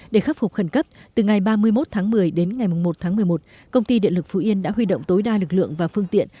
để khắc phục khẩn cấp từ ngày ba mươi một tháng một mươi đến ngày một tháng một mươi một công ty điện lực phú yên đã huy động tối đa lực lượng và phương tiện